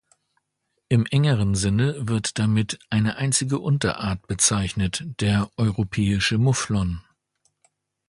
Im engeren Sinne wird damit eine einzige Unterart bezeichnet, der Europäische Mufflon.